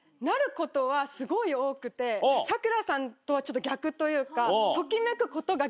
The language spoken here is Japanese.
さくらさんとはちょっと逆というか。